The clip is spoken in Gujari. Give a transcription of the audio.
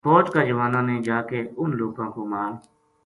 فوج کا جواناں نے جا کے اُنھ لوکاں کو مال